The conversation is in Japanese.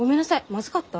まずかった？